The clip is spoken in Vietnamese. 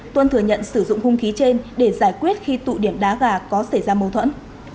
tuân thừa nhận sử dụng hung khí trên để giải quyết khi tụ điểm đá gà có xảy ra mâu thuẫn